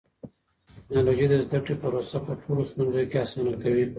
ټکنالوژي د زده کړې پروسه په ټولو ښوونځيو کې آسانه کوي.